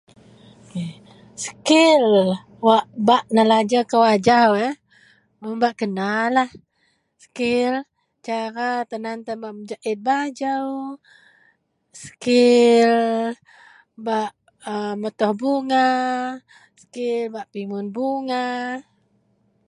Skil bak nelajer kou ajau mun bak kenalah skil cara bak mejaet baju skil tan an ba pimun bunga skil tan an bak metoh bunga